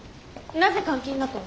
なぜ監禁だと？